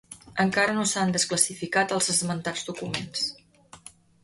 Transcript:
Encara no s'han desclassificat els esmentats documents.